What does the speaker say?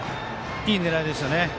いい狙いでしたね。